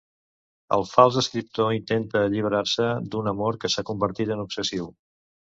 El fals escriptor intenta alliberar-se d'un amor que s'ha convertit en obsessiu.